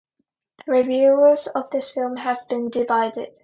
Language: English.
The reviews of this film have been divided.